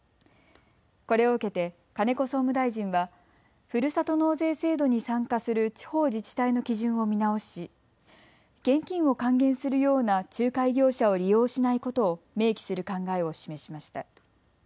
これを受けて金子総務大臣はふるさと納税制度に参加する地方自治体の基準を見直し現金を還元するような仲介業者を利用しないことを明記する考えを示しました。